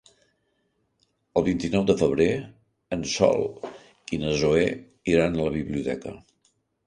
El vint-i-nou de febrer en Sol i na Zoè iran a la biblioteca.